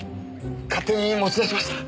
勝手に持ち出しました。